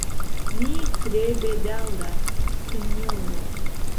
Mi tre bedaŭras, Sinjoro.